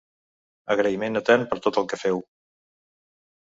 Agraïment etern per tot el que feu.